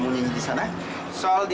ini orang yang dibalik suaranya maudie